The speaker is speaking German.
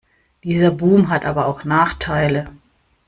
Dieser Boom hat aber auch Nachteile.